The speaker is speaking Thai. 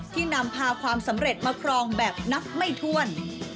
นำพาความสำเร็จมาครองแบบนับไม่ถ้วน